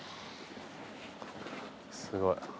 すごい。